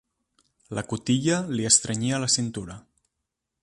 La cotilla li estrenyia la cintura.